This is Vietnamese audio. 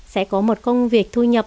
sẽ có một công việc thu nhập